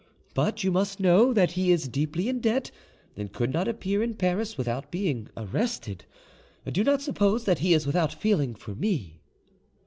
But you must know that he is deeply in debt, and could not appear in Paris without being arrested. Do not suppose that he is without feeling for me."